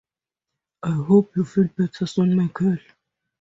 I hope you feel better soon, Michael